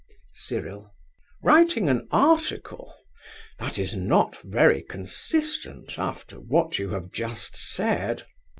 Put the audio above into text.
CYRIL. Writing an article! That is not very consistent after what you have just said.